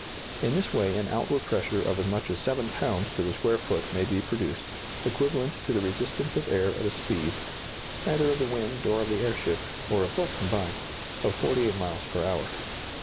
In this way an outward pressure of as much as 7 lbs. to the square foot may be produced, equivalent to the resistance of air at a speed (either of the wind, or of the airship, or of both combined) of 48 miles per hour.